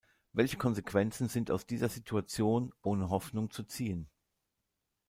Welche Konsequenzen sind aus dieser Situation „ohne Hoffnung“ zu ziehen?